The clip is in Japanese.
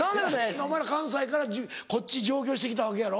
お前ら関西からこっち上京して来たわけやろ？